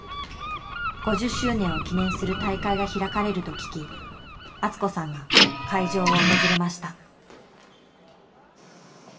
５０周年を記念する大会が開かれると聞き敦子さんが会場を訪れました。